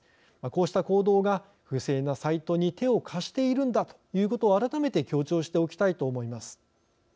こうした行動が不正なサイトに手を貸しているんだということを改めて強調しておきたいと思います。